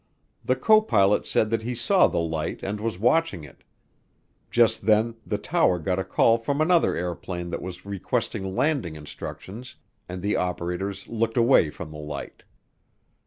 The copilot said that he saw the light and was watching it. Just then the tower got a call from another airplane that was requesting landing instructions and the operators looked away from the light.